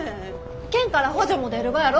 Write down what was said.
県から補助も出るがやろ？